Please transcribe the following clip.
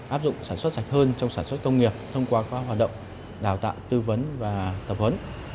áp dụng sản xuất sạch hơn trong sản xuất công nghiệp thông qua các hoạt động đào tạo tư vấn và tập huấn